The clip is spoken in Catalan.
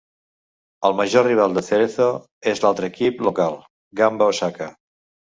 El major rival de Cerezo és l'altre equip local, Gamba Osaka.